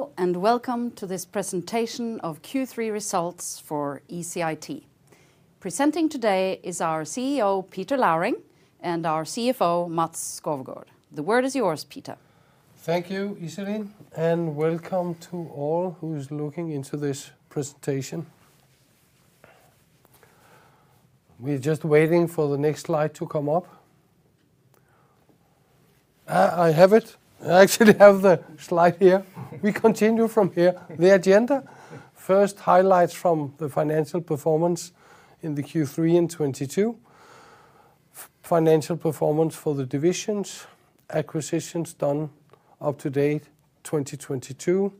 Hello and welcome to this presentation of Q3 results for ECIT. Presenting today is our CEO, Peter Lauring, and our CFO, Mads Skovgaard. The word is yours, Peter. Thank you, Iselin. Welcome to all who's looking into this presentation. We're just waiting for the next slide to come up. I have it. I actually have the slide here. We continue from here. The agenda, first, highlights from the financial performance in the Q3 in 2022. Financial performance for the divisions. Acquisitions done up to date, 2022.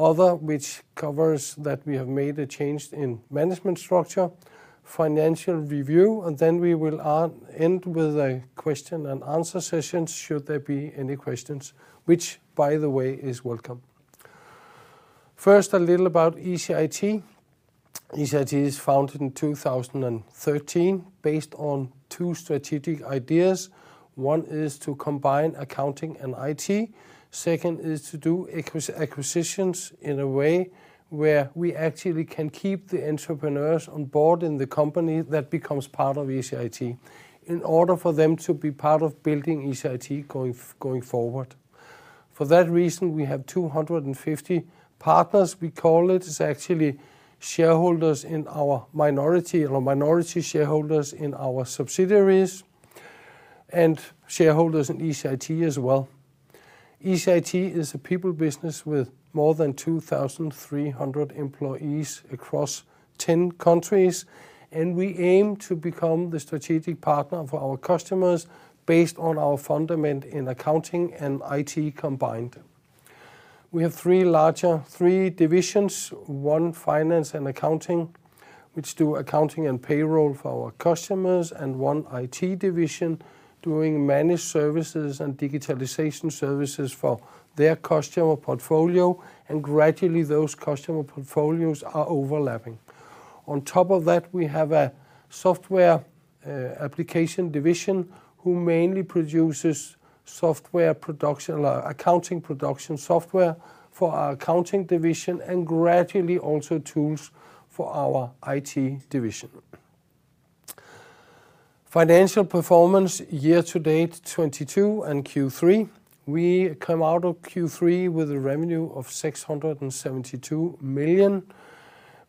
Other, which covers that we have made a change in management structure. Financial review, and then we will end with a question and answer session should there be any questions, which, by the way, is welcome. First, a little about ECIT. ECIT is founded in 2013 based on two strategic ideas. One is to combine accounting and IT. Second is to do acquisitions in a way where we actually can keep the entrepreneurs on board in the company that becomes part of ECIT, in order for them to be part of building ECIT going forward. For that reason, we have 250 partners, we call it. It's actually minority shareholders in our subsidiaries and shareholders in ECIT as well. ECIT is a people business with more than 2,300 employees across 10 countries, and we aim to become the strategic partner for our customers based on our fundament in accounting and IT combined. We have three divisions, one Finance and Accounting, which do accounting and payroll for our customers, and one IT Division doing managed services and digitalization services for their customer portfolio. Gradually those customer portfolios are overlapping. On top of that, we have a software application division who mainly produces software production or accounting production software for our accounting division, and gradually also tools for our IT Division. Financial performance year-to-date 2022 and Q3. We come out of Q3 with a revenue of 672 million.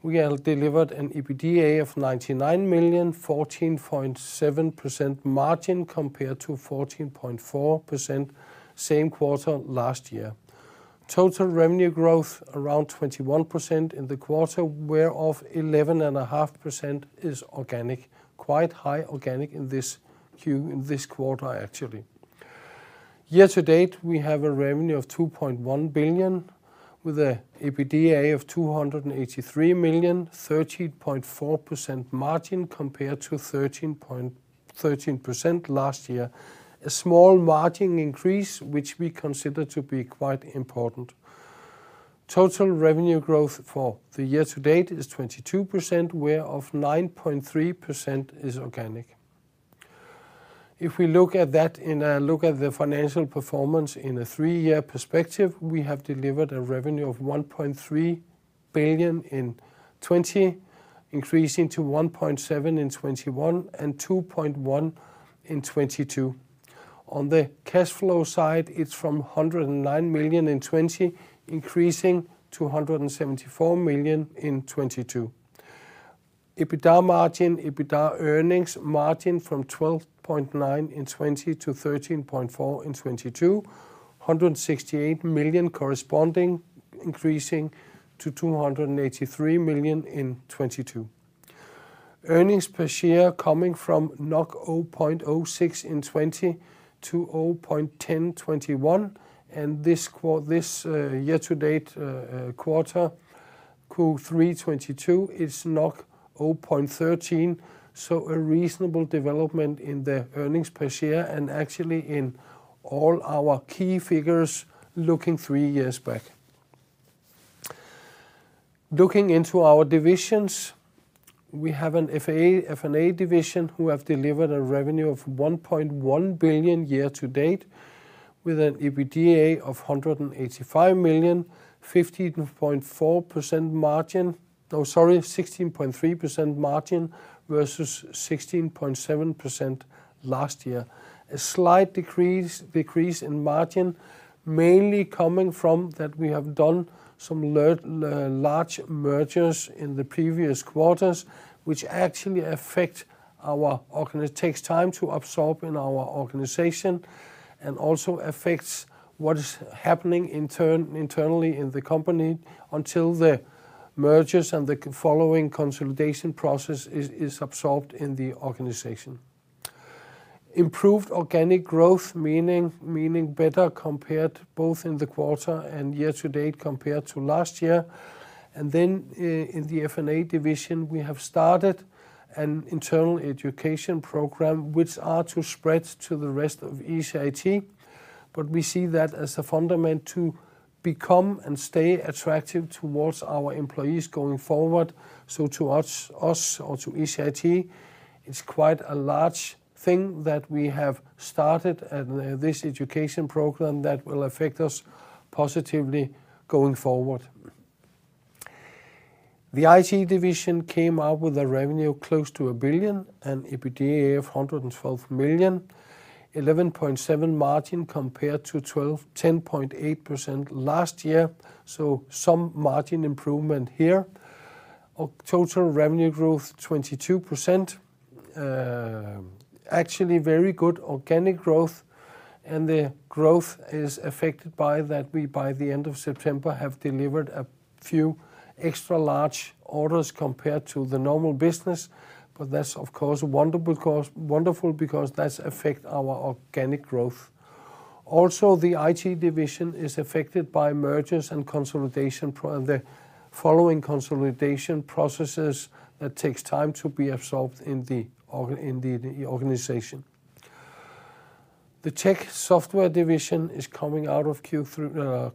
We have delivered an EBITDA of 99 million, 14.7% margin compared to 14.4% same quarter last year. Total revenue growth around 21% in the quarter, whereof 11 and a half % is organic. Quite high organic in this quarter actually. Year-to-date, we have a revenue of 2.1 billion with a EBITDA of 283 million, 13.4% margin compared to 13% last year. A small margin increase, which we consider to be quite important. Total revenue growth for the year to date is 22%, whereof 9.3% is organic. If we look at the financial performance in a three-year perspective, we have delivered a revenue of 1.3 billion in 2020, increasing to 1.7 in 2021 and 2.1 in 2022. On the cash flow side, it's from 109 million in 2020, increasing to 174 million in 2022. EBITDA earnings margin from 12.9% in 2020 to 13.4% in 2022. 168 million corresponding, increasing to 283 million in 2022. Earnings per share coming from 0.06 in 2020 to 0.10 in 2021 and this year-to-date quarter, Q3 2022 is 0.13. A reasonable development in the earnings per share and actually in all our key figures looking three years back. Looking into our divisions, we have an F&A division who have delivered a revenue of 1.1 billion year to date with an EBITDA of 185 million, 15.4% margin. Oh, sorry, 16.3% margin versus 16.7% last year. A slight decrease in margin mainly coming from that we have done some large mergers in the previous quarters. It takes time to absorb in our organization and also affects what is happening internally in the company until the mergers and the following consolidation process is absorbed in the organization. Improved organic growth, meaning better compared both in the quarter and year to date compared to last year. In the F&A division, we have started an internal education program which are to spread to the rest of ECIT. We see that as a fundament to become and stay attractive towards our employees going forward. To us or to ECIT, it's quite a large thing that we have started this education program that will affect us positively going forward. The IT Division came out with a revenue close to 1 billion and EBITDA of 112 million. 11.7% margin compared to 10.8% last year, so some margin improvement here. Total revenue growth 22%. Actually very good organic growth, and the growth is affected by that we, by the end of September, have delivered a few extra large orders compared to the normal business. That's of course wonderful because that's affect our organic growth. Also, the IT Division is affected by mergers and the following consolidation processes that takes time to be absorbed in the organization. The tech software division is coming out of Q3.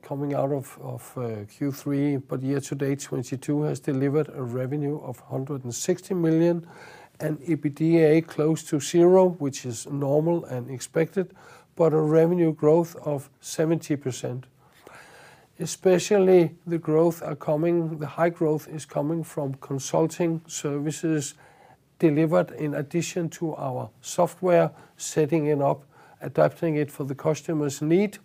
Year-to-date 2022 has delivered a revenue of 160 million and EBITDA close to zero, which is normal and expected, but a revenue growth of 70%. Especially the high growth is coming from consulting services delivered in addition to our software, setting it up, adapting it for the customer's need.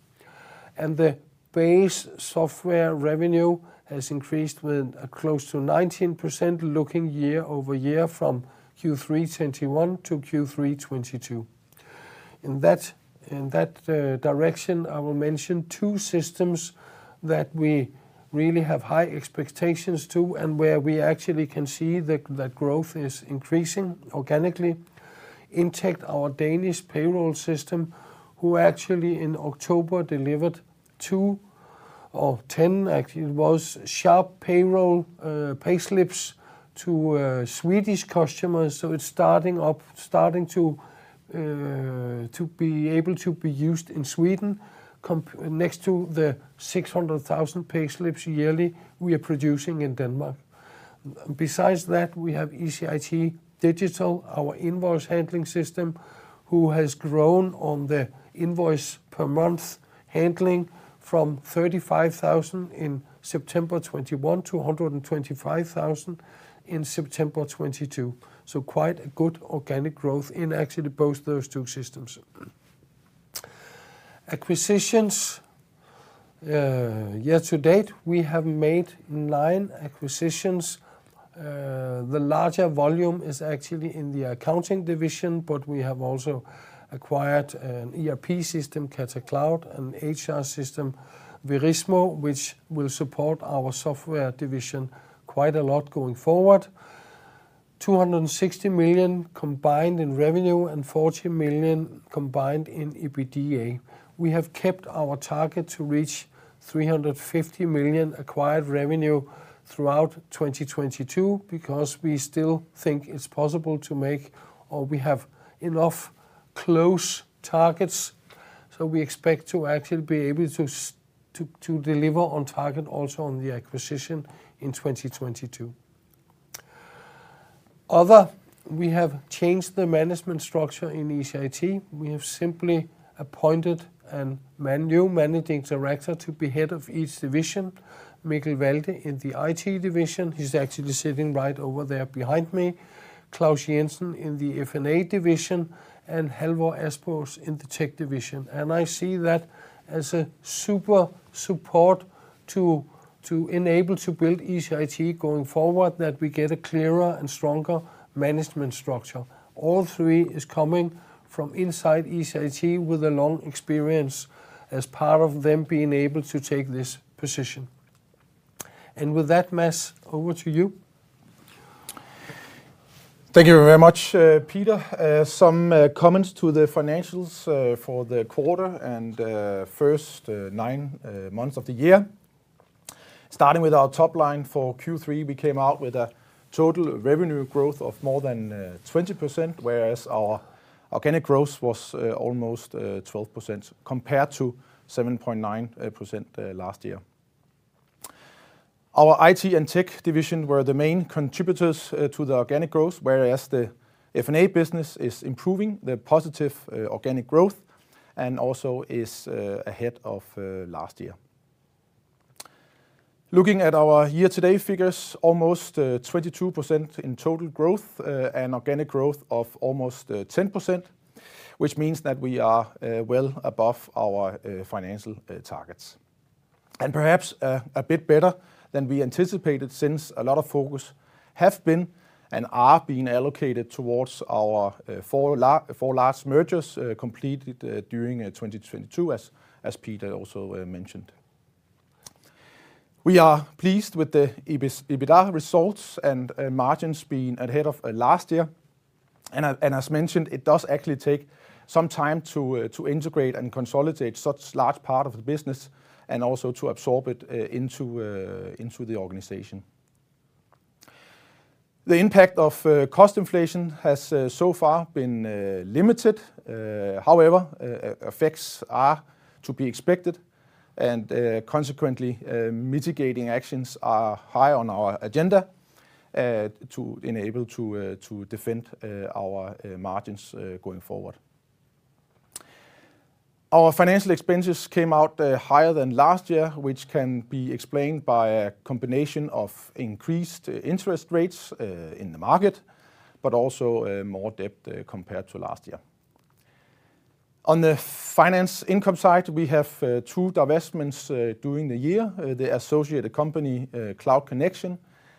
The base software revenue has increased with a close to 19% looking year-over-year from Q3 2021 to Q3 2022. In that direction, I will mention two systems that we really have high expectations to and where we actually can see the growth is increasing organically. Intect, our Danish payroll system, who actually in October delivered 2 or 10, actually it was sharp payroll, payslips to Swedish customers. It's starting up, starting to be able to be used in Sweden next to the 600,000 payslips yearly we are producing in Denmark. Besides that, we have ECIT Digital, our invoice handling system, who has grown on the invoice per month handling from 35,000 in September 2021 to 125,000 in September 2022. Quite a good organic growth in actually both those two systems. Acquisitions. Year to date, we have made nine acquisitions. The larger volume is actually in the accounting division, but we have also acquired an ERP system, Catacloud, an HR system, Verismo, which will support our software division quite a lot going forward. 260 million combined in revenue and 40 million combined in EBITDA. We have kept our target to reach 350 million acquired revenue throughout 2022 because we still think it's possible to make or we have enough close targets, so we expect to actually be able to deliver on target also on the acquisition in 2022. Other, we have changed the management structure in ECIT. We have simply appointed a new managing director to be head of each division. Mikkel Walde in the IT Division. He's actually sitting right over there behind me. Klaus Jensen in the F&A Division, and Halvor Aspaas in the Tech Division. I see that as a super support to enable to build ECIT going forward, that we get a clearer and stronger management structure. All three is coming from inside ECIT with a long experience as part of them being able to take this position. With that, Mads, over to you. Thank you very much, Peter. Some comments to the financials for the quarter and first nine months of the year. Starting with our top line for Q3, we came out with a total revenue growth of more than 20%, whereas our organic growth was almost 12% compared to 7.9% last year. Our IT and Tech Division were the main contributors to the organic growth, whereas the F&A business is improving the positive organic growth and also is ahead of last year. Looking at our year-to-date figures, almost 22% in total growth and organic growth of almost 10%, which means that we are well above our financial targets. Perhaps, a bit better than we anticipated since a lot of focus have been and are being allocated towards our four large mergers completed during 2022, as Peter also mentioned. We are pleased with the EBITDA results and margins being ahead of last year. As mentioned, it does actually take some time to integrate and consolidate such large part of the business and also to absorb it into the organization. The impact of cost inflation has so far been limited. However, effects are to be expected, and consequently, mitigating actions are high on our agenda to enable to defend our margins going forward. Our financial expenses came out higher than last year, which can be explained by a combination of increased interest rates in the market, but also more debt compared to last year. On the finance income side, we have two divestments during the year, the associated company, Cloud Connection,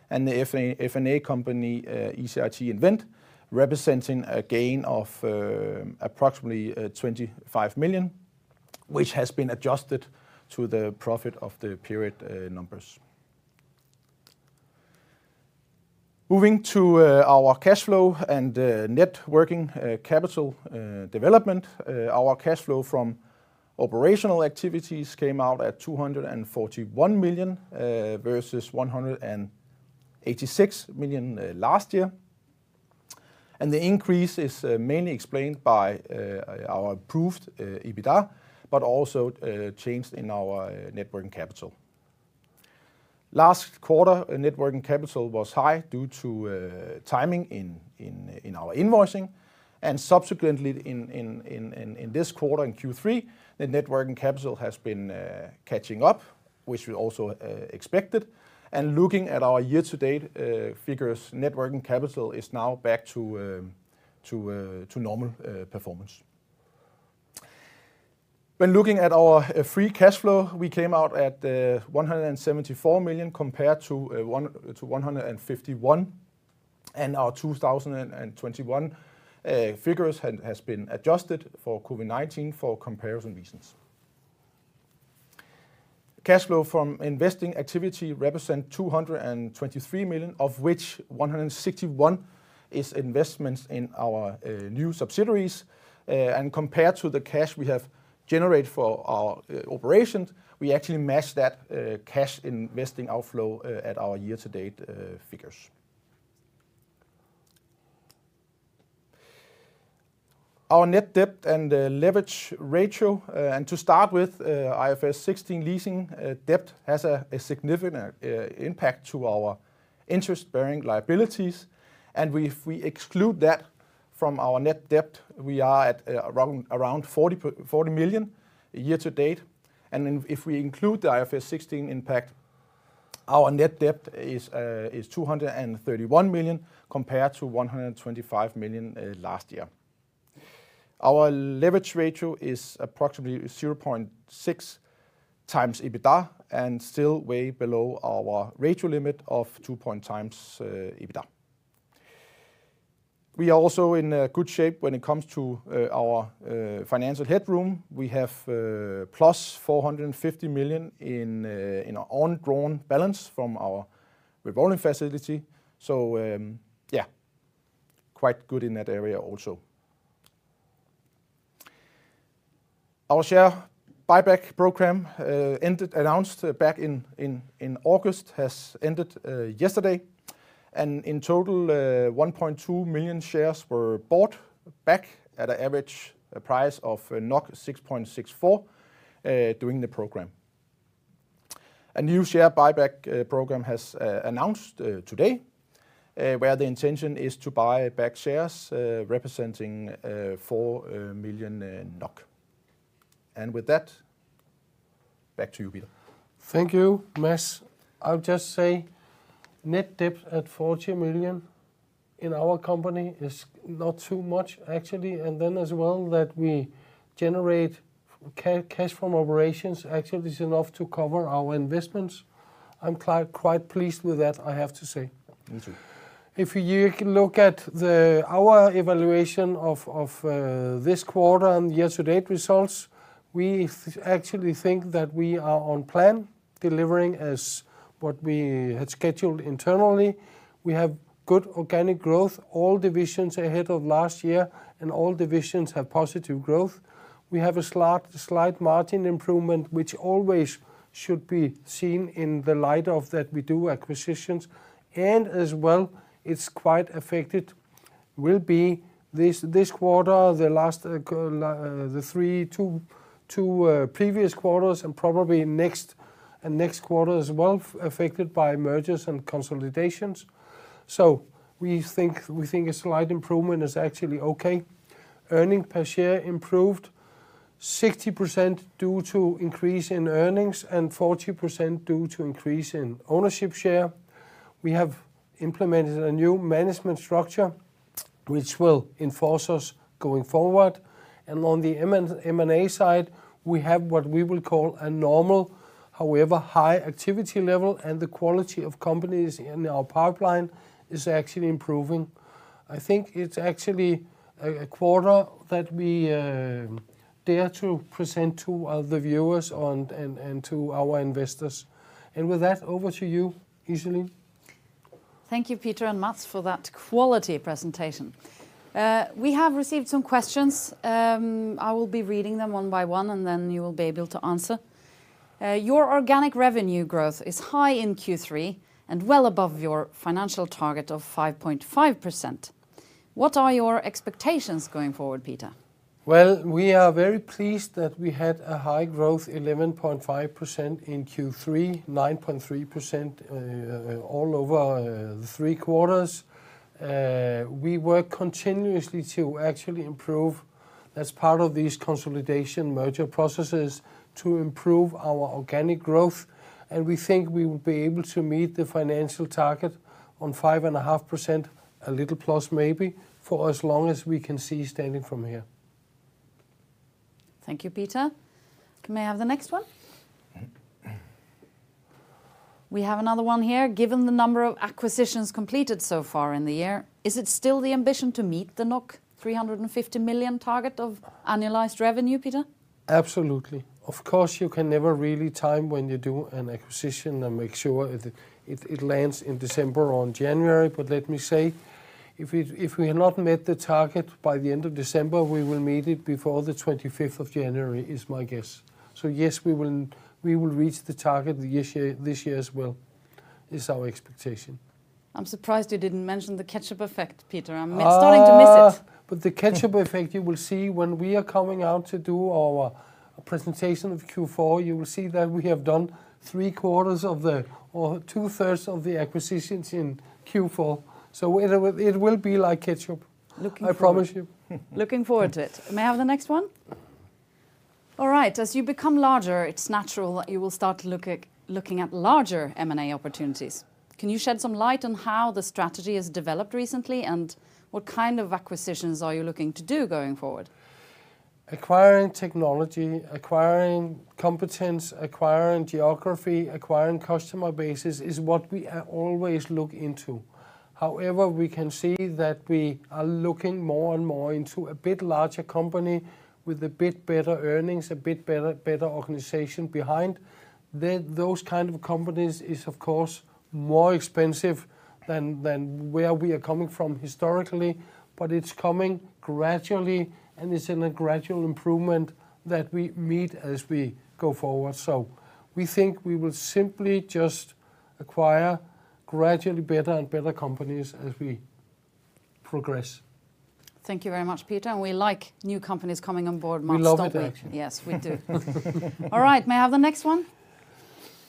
and the F&A company, ECIT Invent, representing a gain of approximately 25 million, which has been adjusted to the profit of the period numbers. Moving to our cash flow and net working capital development. Our cash flow from operational activities came out at 241 million versus 186 million last year. The increase is mainly explained by our improved EBITDA, but also change in our net working capital. Last quarter, net working capital was high due to timing in our invoicing and subsequently in this quarter, in Q3, the net working capital has been catching up, which we also expected. Looking at our year-to-date figures, net working capital is now back to normal performance. When looking at our free cash flow, we came out at 174 million compared to 151, and our 2021 figures has been adjusted for COVID-19 for comparison reasons. Cash flow from investing activity represent 223 million, of which 161 is investments in our new subsidiaries. Compared to the cash we have generated for our operations, we actually matched that cash investing outflow at our year-to-date figures. Our net debt and leverage ratio. To start with, IFRS 16 leasing debt has a significant impact to our interest-bearing liabilities, and we exclude that from our net debt. We are at around 40 million year to date. And if we include the IFRS 16 impact, our net debt is, uh, is 231 million, compared to 125 million, uh, last year. Our leverage ratio is approximately zero point six times EBITDA and still way below our ratio limit of two point times, uh, EBITDA. We are also in, uh, good shape when it comes to, uh, our, uh, financial headroom. We have, uh, plus 450 million in, uh, in our undrawn balance from our revolving facility. So, um, yeah, quite good in that area also. Our share buyback program, uh, ended announced back in, in August, has ended, uh, yesterday, and in total, uh, 1.2 million shares were bought back at an average price of 6.64, uh, during the program. A new share buyback program has announced today, where the intention is to buy back shares representing 4 million NOK. With that, back to you, Peter. Thank you, Mads. I would just say net debt at 40 million in our company is not too much actually. As well that we generate cash from operations actually is enough to cover our investments. I'm quite pleased with that, I have to say. Me too. If you look at our evaluation of this quarter and year-to-date results, we actually think that we are on plan, delivering as what we had scheduled internally. We have good organic growth, all divisions ahead of last year, and all divisions have positive growth. We have a slight margin improvement, which always should be seen in the light of that we do acquisitions. As well, it's quite affected, will be this quarter, the last 3, 2 previous quarters and probably next quarter as well, affected by mergers and consolidations. We think a slight improvement is actually okay. Earnings per share improved 60% due to increase in earnings and 40% due to increase in ownership share. We have implemented a new management structure which will enforce us going forward. On the M&A side, we have what we will call a normal, however high activity level, and the quality of companies in our pipeline is actually improving. I think it's actually a quarter that we dare to present to other viewers on and to our investors. With that, over to you, Iselin. Thank you, Peter and Mads, for that quality presentation. We have received some questions. I will be reading them one by one, and then you will be able to answer. Your organic revenue growth is high in Q3 and well above your financial target of 5.5%. What are your expectations going forward, Peter? Well, we are very pleased that we had a high growth, 11.5% in Q3, 9.3% all over the three quarters. We work continuously to actually improve. That's part of these consolidation merger processes to improve our organic growth, and we think we will be able to meet the financial target on 5.5%, a little plus maybe, for as long as we can see standing from here. Thank you, Peter. May I have the next one? Mm-hmm. We have another one here. Given the number of acquisitions completed so far in the year, is it still the ambition to meet the 350 million target of annualized revenue, Peter? Absolutely. Of course, you can never really time when you do an acquisition and make sure it lands in December or in January. Let me say, if we have not met the target by the end of December, we will meet it before the 25th of January, is my guess. Yes, we will reach the target this year as well, is our expectation. I'm surprised you didn't mention the ketchup effect, Peter. Ah. I'm starting to miss it. The ketchup effect you will see when we are coming out to do our presentation of Q4. You will see that we have done 2/3 of the acquisitions in Q4. It will be like ketchup. Looking forward. I promise you. Looking forward to it. May I have the next one? All right. As you become larger, it's natural that you will start looking at larger M&A opportunities. Can you shed some light on how the strategy has developed recently, and what kind of acquisitions are you looking to do going forward? Acquiring technology, acquiring competence, acquiring geography, acquiring customer bases is what we are always looking into. However, we can see that we are looking more and more into a bit larger company with a bit better earnings, a bit better organization behind. Those kind of companies is, of course, more expensive than where we are coming from historically. It's coming gradually. It's in a gradual improvement that we meet as we go forward. We think we will simply just acquire gradually better and better companies as we progress. Thank you very much, Peter. We like new companies coming on board, Mads, don't we? We love it, actually. Yes, we do. All right. May I have the next one?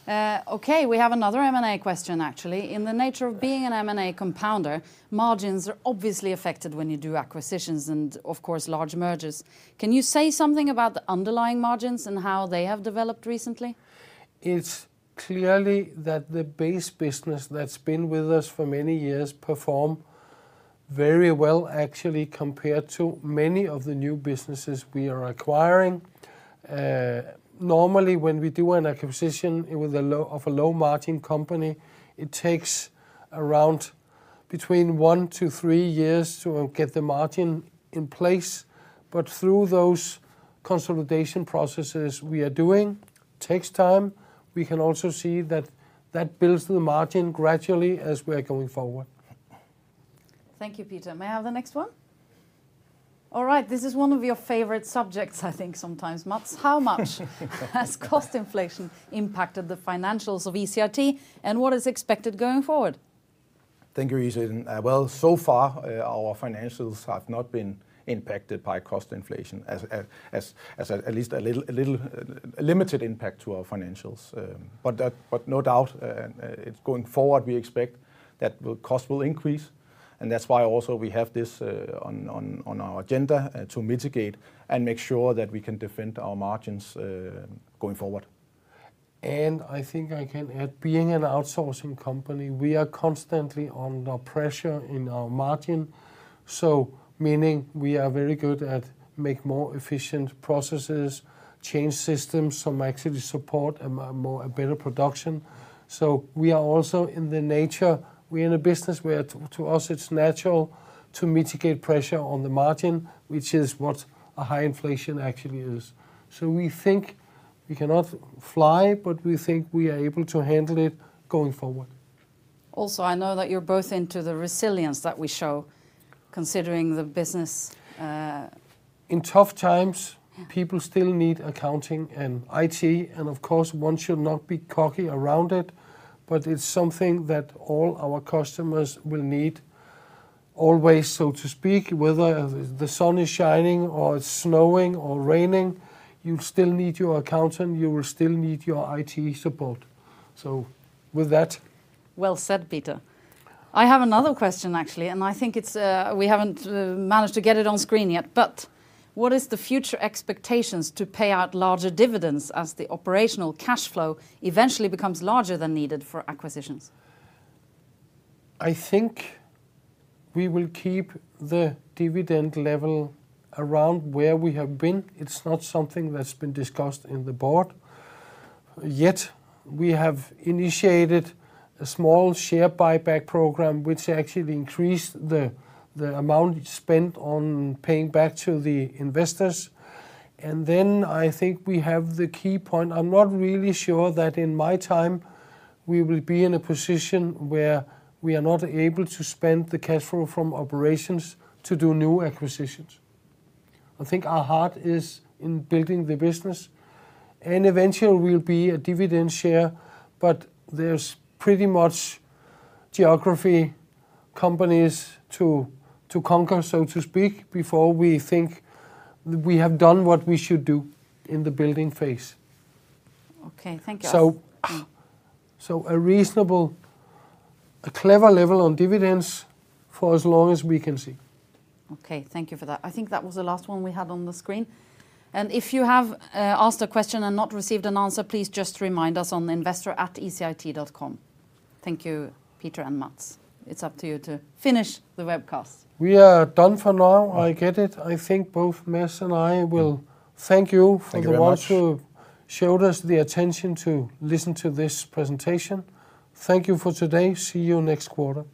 Okay. We have another M&A question, actually. In the nature of being an M&A compounder, margins are obviously affected when you do acquisitions and, of course, large mergers. Can you say something about the underlying margins and how they have developed recently? It's clearly that the base business that's been with us for many years perform very well actually compared to many of the new businesses we are acquiring. Uh, normally when we do an acquisition, it was a low of a low-margin company, it takes around between one to three years to get the margin in place. But through those consolidation processes we are doing, takes time. We can also see that that builds the margin gradually as we're going forward. Thank you, Peter. May I have the next one? All right. This is one of your favorite subjects, I think, sometimes, Mads. How much has cost inflation impacted the financials of ECIT, and what is expected going forward? Thank you, Iselin Paulsen. Well, so far, our financials have not been impacted by cost inflation, at least a little limited impact to our financials. No doubt, going forward we expect that the cost will increase, and that's why also we have this on our agenda to mitigate and make sure that we can defend our margins going forward. I think I can add, being an outsourcing company, we are constantly under pressure in our margin. Meaning, we are very good at make more efficient processes, change systems, so actually support a better production. We are also in the nature, we're in a business where to us it's natural to mitigate pressure on the margin, which is what a high inflation actually is. We think we cannot fly, but we think we are able to handle it going forward. Also, I know that you're both into the resilience that we show considering the business. In tough times. Yeah People still need accounting and IT. Of course, one should not be cocky around it, but it's something that all our customers will need always, so to speak. Whether the sun is shining or it's snowing or raining, you still need your accountant, you will still need your IT support. With that. Well said, Peter. I have another question, actually. We haven't managed to get it on screen yet. What is the future expectations to pay out larger dividends as the operational cash flow eventually becomes larger than needed for acquisitions? I think we will keep the dividend level around where we have been. It's not something that's been discussed in the board yet. We have initiated a small share buyback program, which actually increased the amount spent on paying back to the investors. I think we have the key point. I'm not really sure that in my time we will be in a position where we are not able to spend the cash flow from operations to do new acquisitions. I think our heart is in building the business, and eventually will be a dividend share, but there's pretty much geography, companies to conquer, so to speak, before we think we have done what we should do in the building phase. Okay. Thank you. A reasonable, a clever level on dividends for as long as we can see. Okay. Thank you for that. I think that was the last one we had on the screen. If you have asked a question and not received an answer, please just remind us on the investor@ecit.com. Thank you, Peter and Mads. It's up to you to finish the webcast. We are done for now. Yeah. I get it. I think both Mads and I will thank you. Thank you very much. For the ones who showed us the attention to listen to this presentation. Thank you for today. See you next quarter.